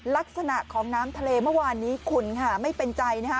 ลักษณะของน้ำทะเลเมื่อวานนี้ขุนค่ะไม่เป็นใจนะคะ